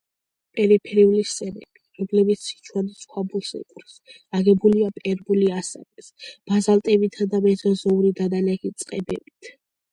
პერიფერიული სერები, რომლებიც სიჩუანის ქვაბულს ეკვრის, აგებულია პერმული ასაკის ბაზალტებითა და მეზოზოური დანალექი წყებებით.